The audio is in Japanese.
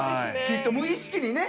きっと無意識にね。